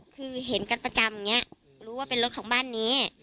คือเห็นกันประจำอย่างนี้รู้ว่าเป็นรถของบ้านนี้